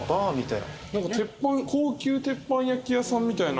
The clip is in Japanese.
なんか鉄板高級鉄板焼き屋さんみたいな。